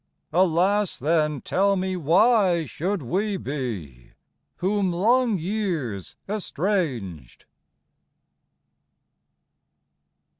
Alas, then tell me why Should we be? whom long years estranged.